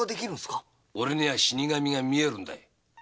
俺には死神が見えるんだ。